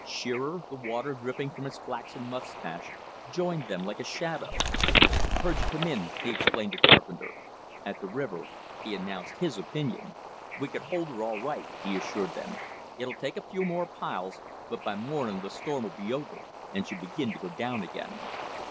Shearer, the water dripping from his flaxen mustache, joined them like a shadow. "I heard you come in," he explained to Carpenter. At the river he announced his opinion. "We can hold her all right," he assured them. "It'll take a few more piles, but by morning the storm'll be over, and she'll begin to go down again."